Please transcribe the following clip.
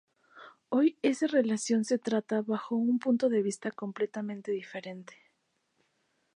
Hoy esa relación se trata bajo un punto de vista completamente diferente.